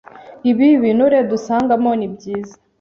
Ibi binure dusangamo ni byiza